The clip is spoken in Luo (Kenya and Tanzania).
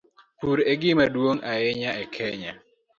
Pur e gima duong' ahinya e Kenya.